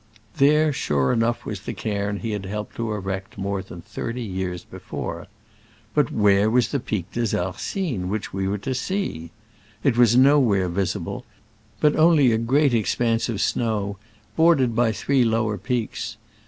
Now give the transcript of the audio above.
There, sure enough, was the cairn he had helped to erect more than thirty years before. But where was the Pic des Arcines which we were to see ? It was nowhere visible, but only a great ex panse of snow, bordered by three lower peaks.